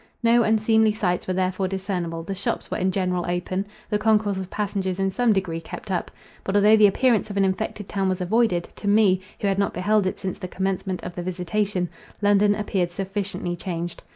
No unseemly sights were therefore discernible: the shops were in general open, the concourse of passengers in some degree kept up. But although the appearance of an infected town was avoided, to me, who had not beheld it since the commencement of the visitation, London appeared sufficiently changed.